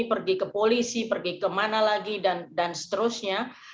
pergi ke polisi pergi ke mana lagi dan seterusnya